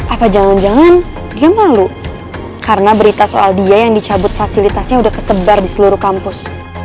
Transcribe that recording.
apa jangan jangan dia malu karena berita soal dia yang dicabut fasilitasnya udah kesebar di seluruh kampus